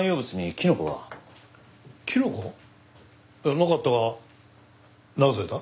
キノコ？なかったがなぜだ？